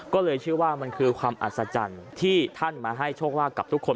ก็เลยเชื่อว่ามันคือความอัศจรรย์ที่ท่านมาให้โชคลาภกับทุกคน